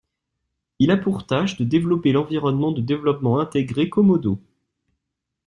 Il a pour tâche de développer l'environnement de développement intégré Komodo.